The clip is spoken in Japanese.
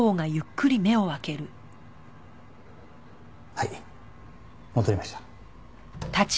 はい戻りました。